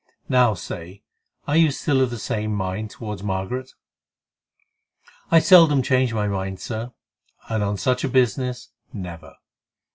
Now, say, are you still of the same mind towards Margaret?" "I seldom change my mind, Sir, and on such a business, never."